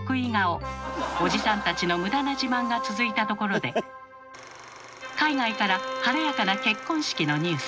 おじさんたちの無駄な自慢が続いたところで海外から晴れやかな結婚式のニュース。